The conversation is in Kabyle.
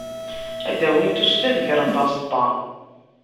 Ad d-awint ustu, ad grent aẓeṭṭa.